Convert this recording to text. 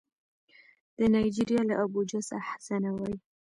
د نایجیریا له ابوجا څخه حسنه وايي